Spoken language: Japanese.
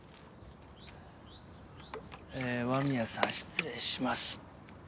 えー和宮さん失礼します。